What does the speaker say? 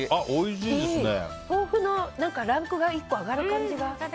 豆腐のランクが１個上がる感じが。